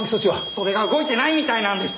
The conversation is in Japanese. それが動いてないみたいなんです。